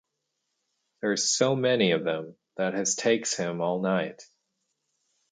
There are so many of them that his takes him all night.